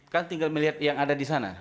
kan tinggal melihat yang ada di sana